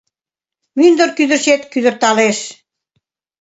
Мӱндыр кӱдырчет кӱдырталеш...